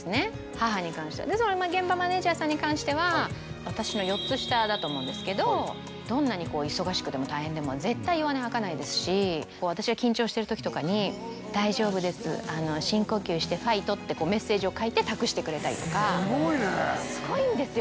母に関してはで現場マネージャーさんに関しては私の４つ下だと思うんですけどどんなに忙しくても大変でも絶対弱音吐かないですし私が緊張してる時とかに「大丈夫です深呼吸してファイト」ってメッセージを書いて託してくれたりとかすごいねすごいんですよ